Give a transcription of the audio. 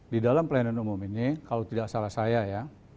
di dalam pelayanan umum ini kalau tidak salah saya ya